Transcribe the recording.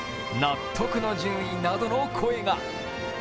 納得の順位などの声が。